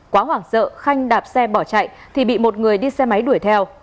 quá hoảng sợ khanh đạp xe bỏ chạy thì bị một người đi xe máy đuổi theo